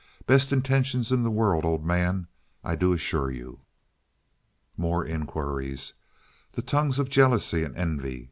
Best intentions in the world, old man. I do assure you." More inquiries. The tongues of jealousy and envy. Mr.